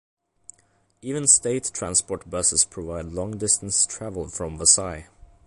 Even State Transport buses provide long distance travel from Vasai.